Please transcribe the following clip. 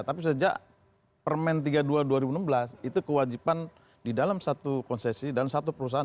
tapi sejak permen tiga puluh dua dua ribu enam belas itu kewajiban di dalam satu konsesi dalam satu perusahaan